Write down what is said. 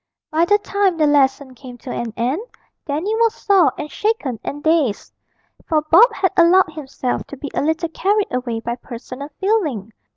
By the time the lesson came to an end, Dandy was sore and shaken and dazed, for Bob had allowed himself to be a little carried away by personal feeling.